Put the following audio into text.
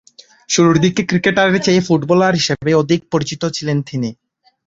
শুরুরদিকে ক্রিকেটারের চেয়ে ফুটবলার হিসেবে অধিক পরিচিত ছিলেন তিনি।